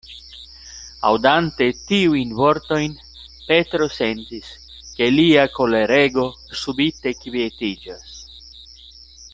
Aŭdante tiujn vortojn, Petro sentis, ke lia kolerego subite kvietiĝas.